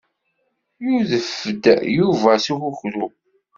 Yudef-d Yuba s ukukru.